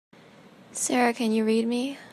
Sara can you read me?